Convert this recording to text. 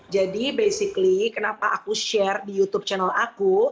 jadi basically kenapa aku share di youtube channel aku